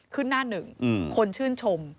หน้าหนึ่งคนชื่นชม